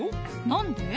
なんで？